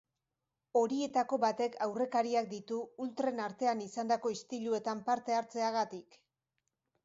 Horietako batek aurrekariak ditu ultren artean izandako istiluetan parte hartzeagatik.